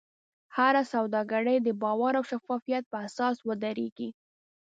هره سوداګري د باور او شفافیت په اساس ودریږي.